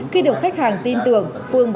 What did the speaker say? khi được khách hàng tin tưởng